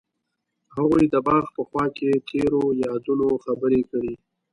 هغوی د باغ په خوا کې تیرو یادونو خبرې کړې.